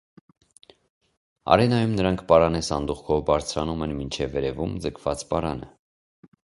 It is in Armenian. Արենայում նրանք պարանե սանդուղքով բարձրանում են մինչև վերևում ձգված պարանը։